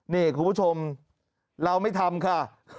นี่คุณผู้ชมเราไม่ทำค่ะ